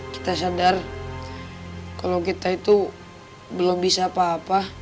kita sadar kalau kita itu belum bisa apa apa